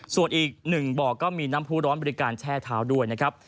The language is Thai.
ส่วนอีก๑บ่อก็มีน้ำผู้ร้อนบริการแช่เท้าด้วยนะครับ